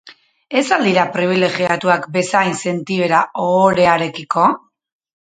Ez al dira pribilegiatuak bezain sentibera ohorearekiko?